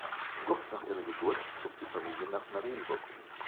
Kurz nach ihrer Geburt zog die Familie nach Marienburg um.